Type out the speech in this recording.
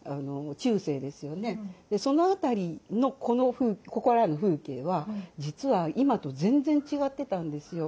その辺りのこのここらの風景は実は今と全然違ってたんですよ。